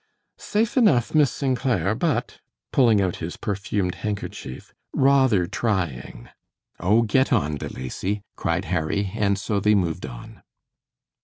"Safe enough, Miss St. Clair, but," pulling out his perfumed handkerchief, "rather trying." "Oh, get on, De Lacy," cried Harry, and so they moved on.